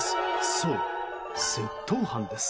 そう、窃盗犯です。